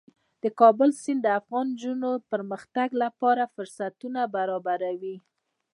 د کابل سیند د افغان نجونو د پرمختګ لپاره فرصتونه برابروي.